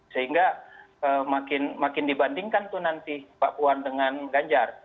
sehingga makin dibandingkan tuh nanti pak puan dengan ganjar